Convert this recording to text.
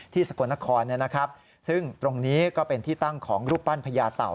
สกลนครซึ่งตรงนี้ก็เป็นที่ตั้งของรูปปั้นพญาเต่า